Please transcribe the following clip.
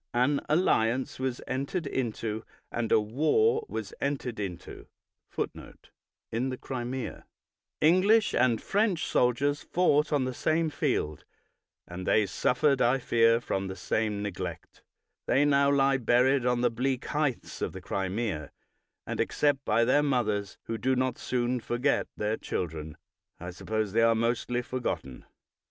An alliance was entered into and a war was entered into.^ English and French soldiers fought on 1 In the Crimea. 233 THE WORLD'S FAMOUS ORATIONS the same field, and they suffered, I fear, from the same neglect. They now lie buried on the bleak heights of the Crimea, and except by their mothers, who do not soon forget their children, I suppose they are mostly forgotten.